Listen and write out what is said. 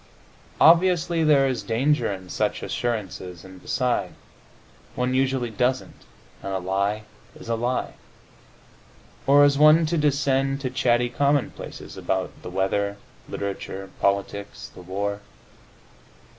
Obviously, there is danger in such assurances, and beside, one usually doesn't, and a lie is a lie. Or is one to descend to chatty commonplaces about the weather, literature, politics, the war?